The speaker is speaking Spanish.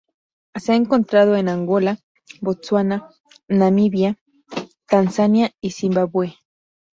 Se ha encontrado en Angola, Botsuana, Namibia, Tanzania y Zimbabue.